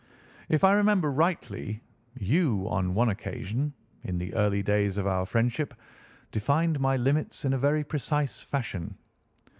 If I remember rightly, you on one occasion, in the early days of our friendship, defined my limits in a very precise fashion."